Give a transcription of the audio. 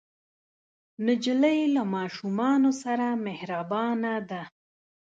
نجلۍ له ماشومانو سره مهربانه ده.